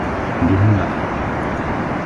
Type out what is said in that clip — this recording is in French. Les noirs.